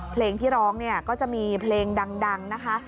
เพลงที่ร้องเนี่ยก็จะมีเพลงดังนะคะ